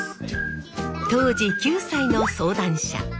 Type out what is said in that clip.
当時９歳の相談者